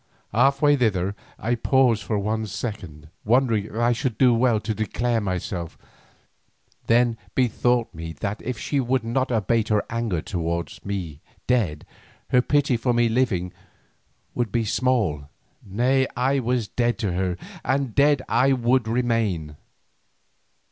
Halfway thither I paused for one second, wondering if I should do well to declare myself, then bethought me that if she would not abate her anger toward me dead, her pity for me living would be small. Nay, I was dead to her, and dead I would remain.